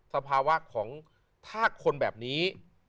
สภาวะของถ้าคนแบบนี้